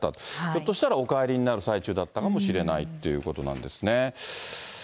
ひょっとしたら、お帰りになる最中だったかもしれないということですね。